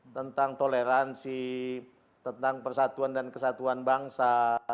tentang toleransi tentang persatuan dan kesatuan bangsa